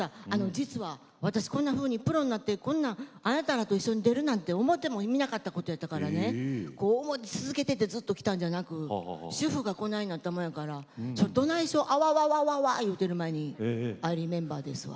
実は私こんなふうにプロになってあなたらと一緒に出るなんて思ってもみなかったことやったからね続けててずっときたんじゃなく主婦がこないなったもんやからどないしよあわわわわいうてる間に「Ｉｒｅｍｅｍｂｅｒ」ですわ。